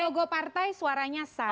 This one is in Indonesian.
logo partai suaranya sah